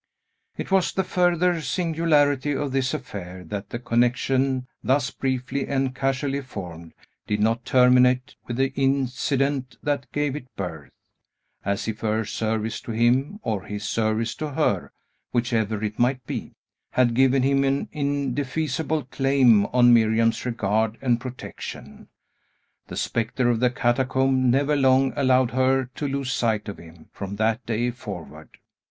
It was the further singularity of this affair, that the connection, thus briefly and casually formed, did not terminate with the incident that gave it birth. As if her service to him, or his service to her, whichever it might be, had given him an indefeasible claim on Miriam's regard and protection, the Spectre of the Catacomb never long allowed her to lose sight of him, from that day forward.